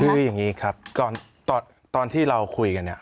คืออย่างนี้ครับตอนที่เราคุยกันเนี่ย